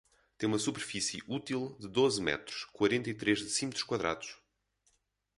Tem uma superfície útil de doze metros, quarenta e três decímetros quadrados.